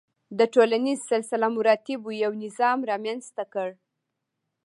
د ټولنیز سلسله مراتبو یو نظام رامنځته کړ.